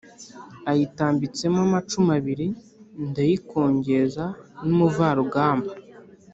ayitambitsemo amacumu abili, ndayikongeza n'umuvarugamba